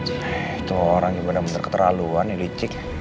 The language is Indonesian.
eh itu orangnya benar benar keterlaluan ini licik